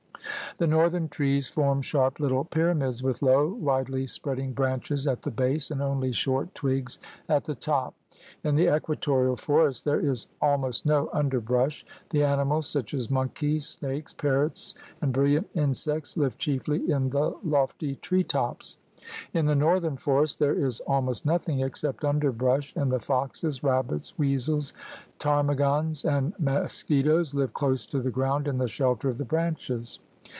The northern trees form sharp little pyramids with low, widely spreading branches at the base and only short twigs at the top. In the equatorial forests there is almost no underbrush. The animals, such as monkeys, snakes, parrots, and brilliant insects, live chiefly in the lofty tree tops. In the northern forests there is almost nothing except underbrush, and the foxes, rabbits, weasels, ptarmigans, and mosquitoes live close to the ground in the shelter of the branches.